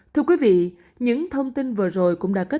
thưa quý vị những thông tin vừa rồi cũng đã kết